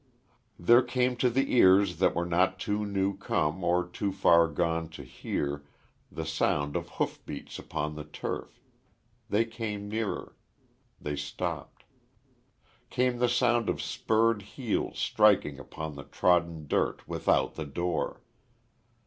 There came to the ears that were not too new come or too far gone to hear, the sound of hoof beats upon the turf. They came nearer.... They stopped. Came the sound of spurred heels striking upon the trodden dirt without the door....